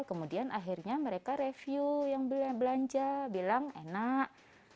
kemudian akhirnya mereka review yang belanja bilang enak